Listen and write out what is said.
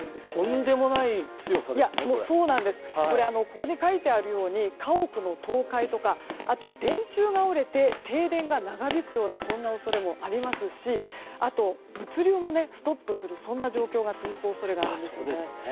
ここに書いてあるように家屋の倒壊とかあと、電柱が折れて停電が長引くようなそんな恐れもありますしあと、物流もストップする状況が続く恐れがあるんですよね。